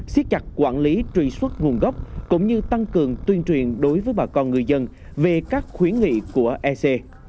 xiết chặt quản lý truy xuất nguồn gốc cũng như tăng cường tuyên truyền đối với bà con người dân về các khuyến nghị của ec